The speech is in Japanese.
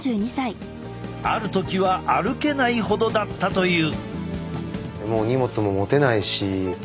ある時は歩けないほどだったという。